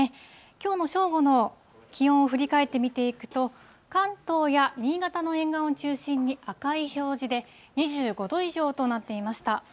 きょうの正午の気温を振り返って見ていくと、関東や新潟の沿岸を中心に赤い表示で、２５度以上となっていました。